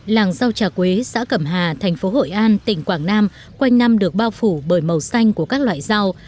làng rau trà quế giã cẩm hà thành phố hội an tỉnh quảng nam quanh năm được bao phủ bởi màu xanh của các loại rau